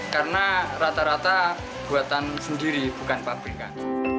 karena rata rata buatan sendiri bukan pabrikan